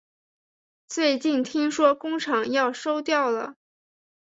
最近听说工厂要收掉了